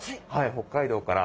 北海道から！